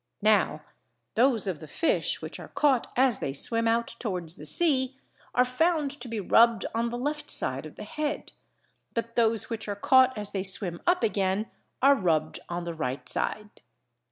Now those of the fish which are caught as they swim out towards the sea are found to be rubbed on the left side of the head, but those which are caught as they swim up again are rubbed on the right side.